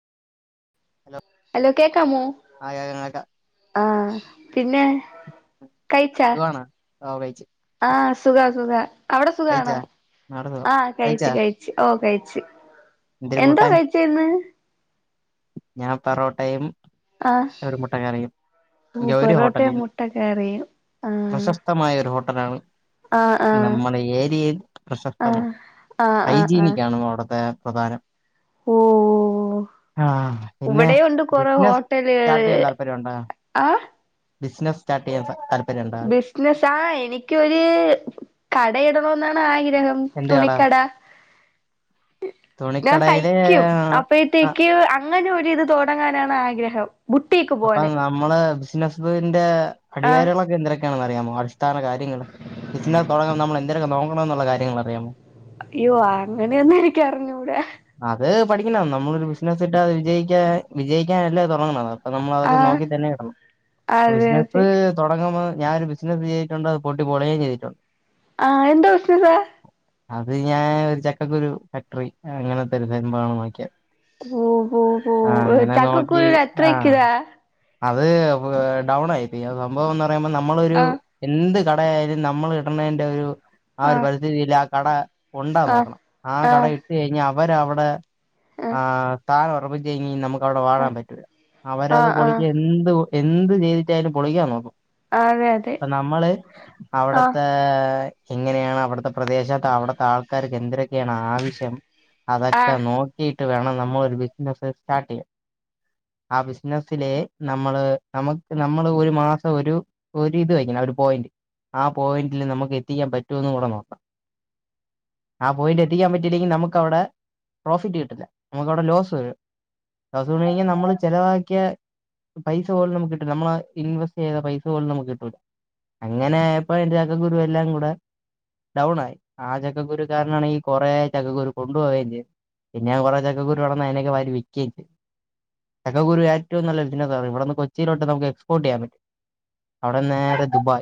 hello കേക്കാമോ ആ കേക്കാം കേക്കാം ആ പിന്നെ കഴിച്ചാ സുഖാണ് ആ കഴിച്ച് ആഹ് സുഖാ സുഖാഅവിടെ സുഖാണൊ കഴിച്ചാ നാട് സുഖം ആ കഴിച്ച് കഴിച്ചാ കഴിച്ച്ഓ കഴിച്ച് എന്തൊരു എന്തോ കൂട്ടാൻ കഴിച്ചേ ഇന്ന് ഞാൻ പെറോട്ടയും ആഹ് ഒരു മുട്ടകറിയും ഓ ഗൗരി പൊറോട്ടയും ഹോട്ടലിന്ന് മുട്ടക്കറിയും ആഹ് പ്രശസ്തമായ ഒരു ഹോട്ടലാണ് ആഹ് നമ്മുടെ ഏരിയയും ആഹ് പ്രശസ്തമാണ് ആഹ് ആഹ് ആഹ് ആഹ് ഹൈജീനിക് ആണ് അവിടുത്തെ പ്രധാനം ഓ ആ പിന്നെ ഇവിടെയും ഉണ്ട് കൊറെ ബിസിനസ് സ്റ്റാർട്ട് ഹോട്ടലുകള് ചെയ്യാൻ താല്പര്യണ്ടോ ആഹ് ബിസിനസ് സ്റ്റാർട്ട് ചെയ്യാൻ താല് ബിസിനസ് ആ എനിക്കൊരു കടയിടണ ന്നാണ് ആഗ്ര ഹം എന്ത് കട തുണിക്കട ഞാൻ തുണിക്കടയില് തൈക്കും ആ അപ്പഴത്തേക്ക് അങ്ങനെ ഒരുരിത് തുടങ്ങാനാണ് ആഗ്രഹം ബുട്ടീക്ക് അപ്പൊ പോലെ നമ്മള് ബിസിനസിന്റെ ആഹ് അടികാരികളൊക്കെ എന്തൊരു ക്കെ അറിയാമോ അടിസ്ഥാന കാര്യങ്ങള് ബിസിനസ് തുടങ്ങാൻ നമ്മൾ എന്തരൊക്കെ നോക്കണം എന്നുള്ള കാര്യങ്ങൾ അറിയാമോ അയ്യോ അങ്ങനെയൊന്നും എനിക്ക് അറിഞ്ഞൂട അത് പഠിക്കണം നമ്മളൊരു ബിസിനസ് ഇട്ട് അത് വിജയിക്കാ വിജയിക്കൻഅല്ലേ തുടങ്ങണത് അപ്പൊ നമ്മള് അതൊക്കെ ആഹ് നോക്കി തന്നെ ഇടണം അതെ അതെ ബിസിനസ് തുടങ്ങ ഞാനൊരു ബിസിനസ് ചെയ്തിട്ടണ്ട്ത് പൊട്ടിപ്പൊളിയെയും ചെയ്തിട്ടുണ്ട് ആ എന്തു ബിസിനസ അത് ഞാൻ ഒരു ചക്കക്കുരു ഫാക്ടറി അങ്ങനത്തെ ഒരു സംഭമാണ് നോക്കിയത് ഓ ഓ ആ ഓ അങ്ങനെ നോക്കി ചക്കക്കുരു എത്ര ആ ഇക്കിതാ അത് ഡൗൺ ആയി പോയി സംഭവം എന്ന് പറയുമ്പോ നമ്മളൊരു ആഹ് എന്ത് കടയായാലും നമ്മൾ ഇടണേന്റെ ഒരു ആ ഒരു ആഹ് പരിധിയില് ആ കട ഉണ്ടാ ആഹ് നോക്കണം ആ കട ആഹ് ഇട്ട കഴിഞ്ഞാ അവര് അവിടെ ആഹ് ആ താഴ്‌ ഉറപ്പിച്ച കഴിഞ്ഞ നമുക്ക് അവിടെ വാഴാൻ ആഹ് പറ്റൂല്ല അവരത് ആഹ് പൊളി ആഹ് എന്ത് എന്ത് ചെയ്തിട്ടായാലും പൊളിക്കാൻ നോക്കും അതെ അതെ അപ്പൊ നമ്മള് ആഹ് അവിടത്തെ എങ്ങനെയാണ് അവിടുത്തെ പ്രദേശത്ത് അവിടുത്തെ ആൾക്കാരൊക്കെ എന്തിര് ആവശ്യം അതൊക്കെ ആഹ് നോക്കി വേണം നമ്മൾ ഒരു ബിസിനസ് സ്റ്റാർട്ട് ചെയ്യാൻ ആ ബിസിനസിലെ നമ്മള് നമുക്ക് നമ്മള് ഒരു മാസം ഒരു ഒരു ഇത് വയ്ക്കണം ഒരു പോയിന്റ് ആ പോയിന്റില് നമുക്ക് എത്തിക്കാൻ പറ്റുമോന്ന് കൂടെ നോക്കാം ആ പോയിന്റ് എത്തിക്കാൻ പറ്റില്ലെങ്കിൽ നമുക്ക് അവിടെ പ്രോഫിറ്റ് കിട്ടില്ല നമുക്ക് അവിടെ ലോസ് വരും ലോസ് പറ കഴിഞ്ഞാൽ നമ്മള് ചെലവാക്കിയ പൈസ പോലും നമുക്ക് കിട്ടൂല്ല നമ്മള് ഇൻവെസ്റ്റ് ചെയ്ത പൈസ പോലും നമുക്ക് കിട്ടൂല അങ്ങനെ അയാപ്പൊ എന്റെ ചക്ക കുരുവെല്ലാം കൂടെ ഡൗണ് ആയി ആ ചക്കുരു കാരനാണെങ്കിൽ കൊറെ ചക്കക്കുരു കൊണ്ടുപോവുകയും ചെയ്തു പിന്നെ ഞാൻ കുറെ ചക്കുരു കിടന്ന അതിനൊക്കെ വാരി വില്ക്കയിമ്മ് ചെയ്ത് ചക്കക്കുരു ഏറ്റവു നല്ല ബിസിനസ ഇവിടെന്ന് കൊച്ചിയിലോട്ട് നമുക്ക് എക്സ്പോർട്ട് ചെയ്യൻ പറ്റും അവിടെ നേരെ ദുബായ്